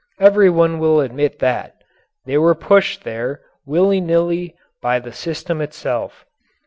Everyone will admit that. They were pushed there, willy nilly, by the system itself.